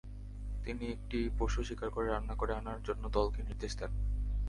তিনি একটি পশু শিকার করে রান্না করে আনার জন্যে দলকে নির্দেশ দেন।